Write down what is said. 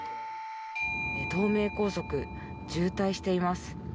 東名高速渋滞しています。